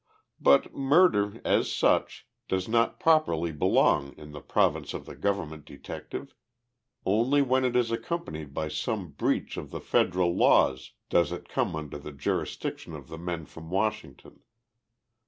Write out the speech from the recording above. But murder, as such, does not properly belong in the province of the government detective. Only when it is accompanied by some breach of the federal laws does it come under the jurisdiction of the men from Washington.